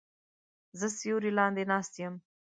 زه سیوری لاندې ناست یم